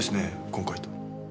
今回と。